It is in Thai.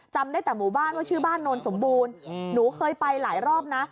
จำได้แต่หมู่บ้านว่าชื่อบ้านโนนสมบูรณ์หนูเคยไปหลายรอบนะ